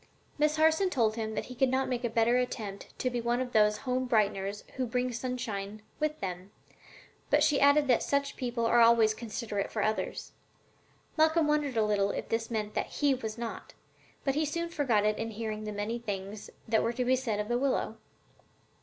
Miss Harson told him that he could not make a better attempt than to be one of those home brighteners who bring the sunshine with them, but she added that such people are always considerate for others. Malcolm wondered a little if this meant that he was not, but he soon forgot it in hearing the many things that were to be said of the willow.